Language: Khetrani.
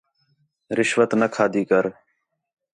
رشوت نہ کھادی کر